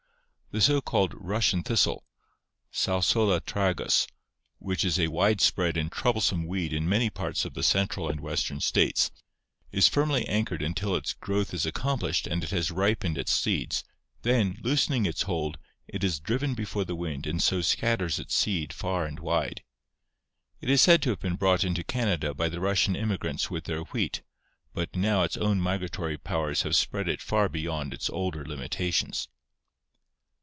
The so called 39» ORGANIC EVOLUTION Russian thistle (Salsola tragus), which is a widespread and trouble some weed in many parts of the central and western states, is firmly anchored until its growth is accomplished and it has ripened its seeds, then, loosening its hold, it is driven before the wind and so scatters its seed far and wide. It is said to have been brought into Canada by the Russian immigrants with their wheat, but now its own migratory powers have spread it far beyond its older limita tions.